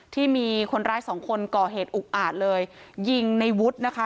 ที่มีคนร้ายสองคนก่อเหตุอุกอาจเลยยิงในวุฒินะคะ